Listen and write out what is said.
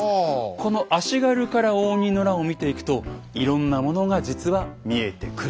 この足軽から応仁の乱を見ていくといろんなものが実は見えてくる。